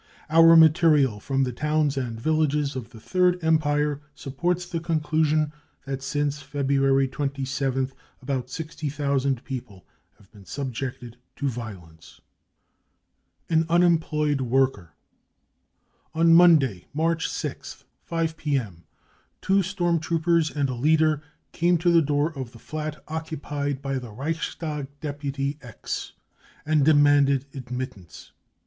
5 ' Our material from the towns, and villages of the Third Empire supports the conclusion that since February 27th about sixty thousand people have been subjected to violence. * An Unemployed Worker. 46 On Monday, March 6th, 5 p.m., two storm troopers and a leader came to the door of the flat occupied by pr Ae Reichstag deploy 4 X, 5 and demanded admittance.